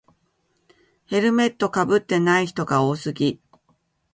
ヘルメットかぶってない人が多すぎ